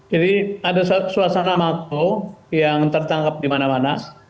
jadi ada suasana makro yang tertangkap di mana mana